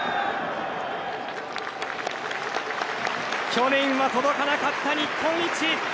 去年は届かなかった日本一。